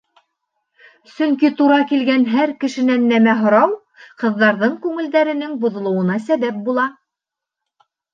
Сөнки тура килгән һәр кешенән нәмә һорау ҡыҙҙарҙың күңелдәренең боҙолоуына сәбәп була.